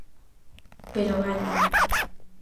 Pero gañan.